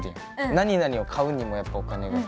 何何を買うにもやっぱお金が必要だし。